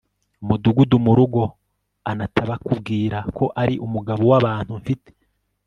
umudugudu murugo, anata, bakubwira ko ari umugabo wabantu. mfite